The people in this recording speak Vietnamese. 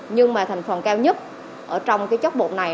nhưng mà thành phần cao nhất trong chất bột này